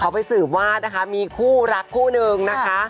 เขาไปสืบวาดนะคะมีคู่รักคู่นึงนะคะ